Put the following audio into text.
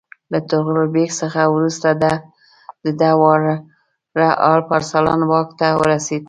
له طغرل بیګ څخه وروسته د ده وراره الپ ارسلان واک ته ورسېد.